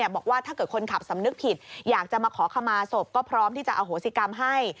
บอกว่าถ้าเกิดคนขับสำนึกผิดอยากจะมาขอขมาศพก็พร้อมที่จะอโหสิกรรมให้